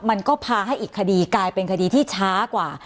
มันก็พาให้อีกคดีกลายเป็นคดีที่ช้ากว่า